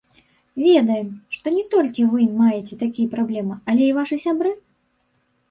Ведаем, што не толькі вы маеце такія праблемы, але і вашы сябры?